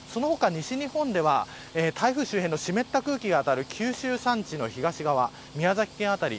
西日本では台風周辺の湿った空気が当たる九州山地の東側宮崎県辺り